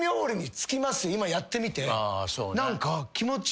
今やってみて何か。